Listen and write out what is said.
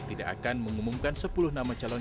tidak akan mengumumkan sepuluh nama calon